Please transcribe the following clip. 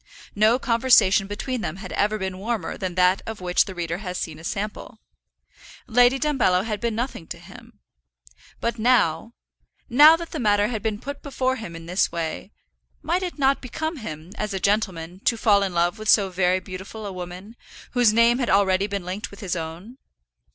No conversation between them had ever been warmer than that of which the reader has seen a sample. Lady Dumbello had been nothing to him. But now, now that the matter had been put before him in this way, might it not become him, as a gentleman, to fall in love with so very beautiful a woman, whose name had already been linked with his own?